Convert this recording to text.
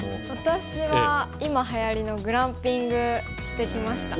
私は今はやりのグランピングしてきました。